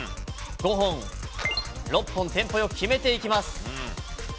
５本、６本、テンポよく決めていきます。